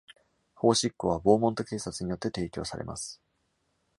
法執行は、ボーモント警察によって提供されます。